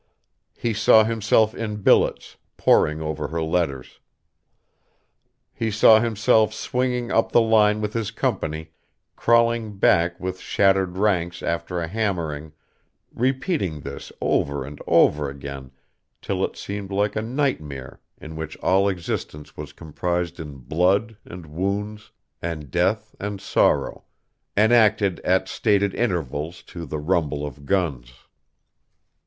He saw himself in billets, poring over her letters. He saw himself swinging up the line with his company, crawling back with shattered ranks after a hammering, repeating this over and over again till it seemed like a nightmare in which all existence was comprised in blood and wounds and death and sorrow, enacted at stated intervals to the rumble of guns.